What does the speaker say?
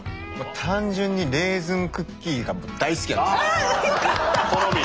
単純にレーズンクッキーが僕大好きなんですよ。ああよかった！好み？